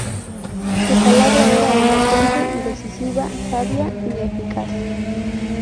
Su palabra era elocuente, decisiva, sabia y eficaz.